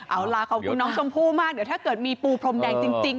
เอาล่ะขอบคุณน้องชมพู่มากเดี๋ยวถ้าเกิดมีปูพรมแดงจริง